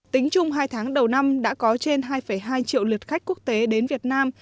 tính chung hai tháng đầu năm đã có trên hai hai triệu lượt khách quốc tế đến việt nam